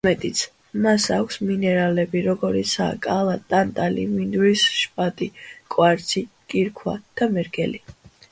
უფრო მეტიც, მას აქვს მინერალები, როგორიცაა: კალა, ტანტალი, მინდვრის შპატი, კვარცი, კირქვა და მერგელი.